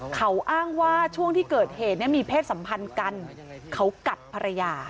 เขาอ้างว่าช่วงที่เกิดเหตุเนี่ยมีเพศสัมพันธ์กันเขากัดภรรยา